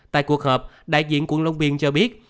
tại cuộc họp đại diện quận long biên cho biết